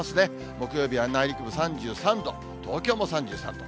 木曜日は内陸部３３度、東京も３３度。